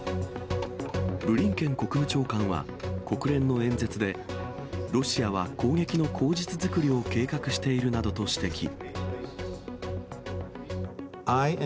ブリンケン国務長官は、国連の演説で、ロシアは攻撃の口実作りを計画しているなどと指摘。